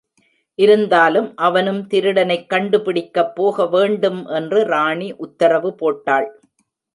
இருந்தாலும் அவனும் திருடனைக் கண்டுபிடிக்கப் போக வேண்டும் என்று ராணி உத்தரவு போட்டாள்.